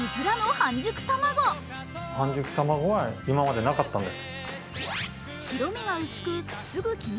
半熟卵は今までなかったんです。